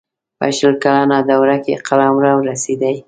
په شل کلنه دوره کې قلمرو رسېدی.